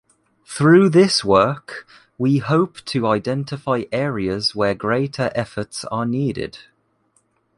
Through this work, we hope to identify areas where greater efforts are needed.